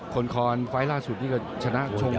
คนคอนไฟล์ล่าสุดนี่ก็ชนะชง